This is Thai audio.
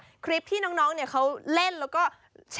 น้ำตาตกโคให้มีโชคเมียรสิเราเคยคบกันเหอะน้ำตาตกโคให้มีโชค